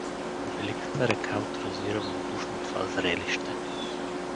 Великата река отрази равнодушно това зрелище.